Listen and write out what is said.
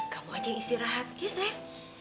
kamu aja yang istirahat ya sayang